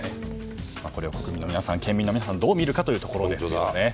これは国民の皆さん、県民の皆さんどう見るかというところですね。